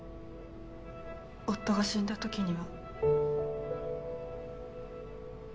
夫が死んだ時には。